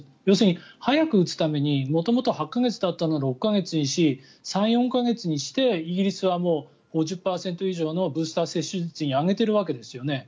要するに早く打つために元々８か月だったのを６か月にし３４か月にしてイギリスは５０％以上のブースター接種率に上げているわけです。